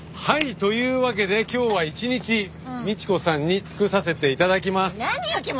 はい！というわけで今日は一日倫子さんに尽くさせて頂きます。